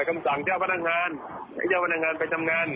คำสั่งเจ้าพนักงานให้เจ้าพนักงานไปทำงาน